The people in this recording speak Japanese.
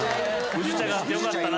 宇治茶があってよかったなぁ。